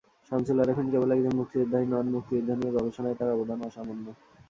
সামছুল আরেফিন কেবল একজন মুক্তিযোদ্ধাই নন, মুক্তিযুদ্ধ নিয়ে গবেষণায় তাঁর অবদান অসামান্য।